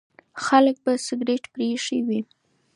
خلک به سګریټ پرېښی وي.